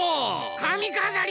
かみかざり！